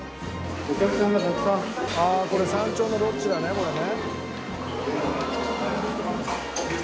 ああこれ山頂のロッジだねこれね。